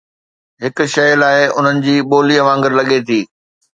هڪ شيء لاء، انهن جي ٻولي وانگر لڳي ٿي.